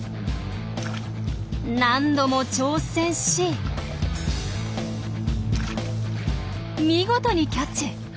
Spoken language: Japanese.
何度も挑戦し見事にキャッチ。